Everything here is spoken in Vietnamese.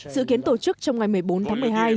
dự kiến tổ chức trong ngày một mươi bốn tháng một mươi hai